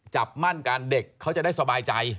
จับมั่นกันเด็กเขาจะได้สบายใจ